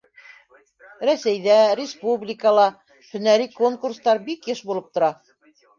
Рәсәйҙә, республикала һөнәри конкурстар бик йыш булып тора.